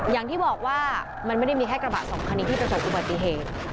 อย่างที่บอกว่ามันไม่ได้มีแค่กระบะสองคันนี้ที่ประสบอุบัติเหตุ